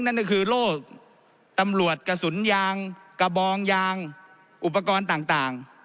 นั่นก็คือโรคตำรวจกระสุนยางกระบองยางอุปกรณ์ต่าง